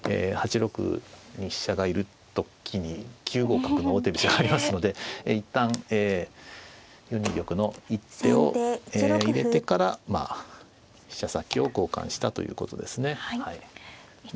８六に飛車がいる時に９五角の王手飛車がありますので一旦４二玉の一手を入れてから飛車先を交換したということですね。